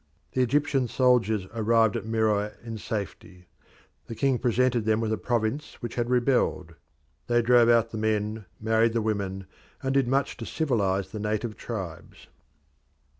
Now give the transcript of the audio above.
The Egyptian soldiers arrived at Meroe in safety; the king presented them with a province which had rebelled. They drove out the men, married the women, and did much to civilise the native tribes.